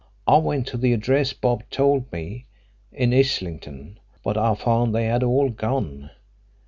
I went to the address Bob told me, in Islington, but I found they had all gone.